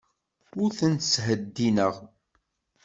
Ur ten-ttheddineɣ.